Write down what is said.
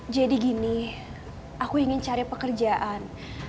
jadi gini aku ingin cari pekerjaan